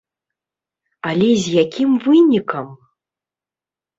Але з якім вынікам!